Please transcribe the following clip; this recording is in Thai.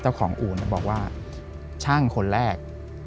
เจ้าของอู๋บอกว่าช่างคนแรก